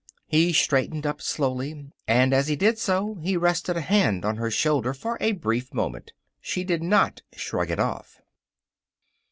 He straightened up slowly, and as he did so he rested a hand on her shoulder for a brief moment. She did not shrug it off.